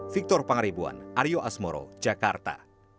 victor pangaribuan aryo asmoro jakarta